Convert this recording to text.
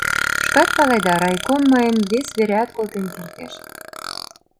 Шкат паледа, райком мыйым вес вереат колтен кертеш.